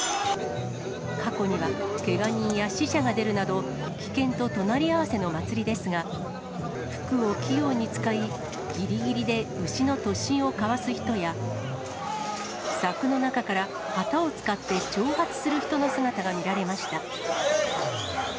過去には、けが人や死者が出るなど、危険と隣り合わせの祭りですが、服を器用に使い、ぎりぎりで牛の突進をかわす人や、柵の中から旗を使って挑発する人の姿が見られました。